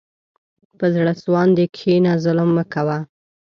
په زړه سواندي کښېنه، ظلم مه کوه.